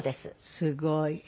すごい。